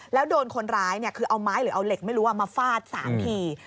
แล้วโดนคนร้ายเอาไม้หรือเอาเหล็กมาฟาด๓ที